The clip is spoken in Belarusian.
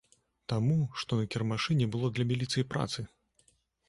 Таму, што на кірмашы не было для міліцыі працы!